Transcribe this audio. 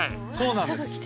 そうなんです。